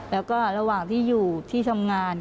แล้วก็ระหว่างที่อยู่ที่ทำงาน